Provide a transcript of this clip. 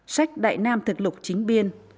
sách đại nam thực lục chính biên